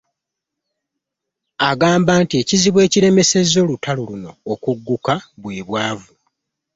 Agamba nti ekizibu ekiremesezza olutalo luno okugguka bwe bwavu